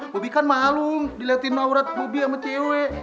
bobi kan malu diliatin aurat bobi sama cewek